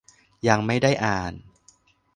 ยังไม่ได้อ่าน